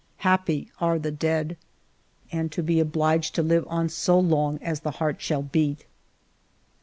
Happy are the dead ! And to be obliged to live on so long as the heart shall beat